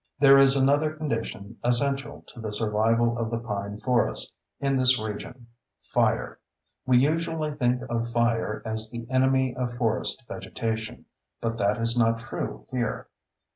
There is another condition essential to the survival of the pine forest in this region—fire. We usually think of fire as the enemy of forest vegetation; but that is not true here.